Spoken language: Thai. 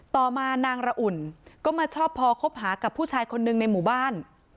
ต่อมานางระอุ่นก็มาชอบพอคบหากับผู้ชายคนหนึ่งในหมู่บ้าน